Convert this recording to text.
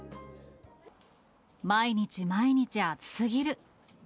毎日毎日暑すぎる。